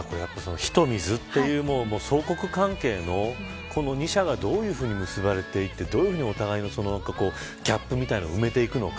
火と水という、相克関係のこの２者がどういうふうに結ばれていてどういうふうにお互いのギャップみたいなのを埋めていくのか。